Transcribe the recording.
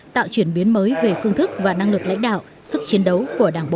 tạo chuyển biến mới về phương thức và năng lực lãnh đạo sức chiến đấu của đảng bộ